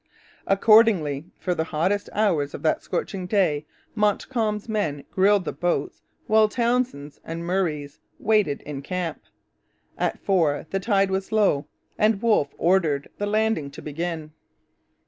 Accordingly, for the hottest hours of that scorching day, Monckton's men grilled in the boats while Townshend's and Murray's waited in camp. At four the tide was low and Wolfe ordered the landing to begin.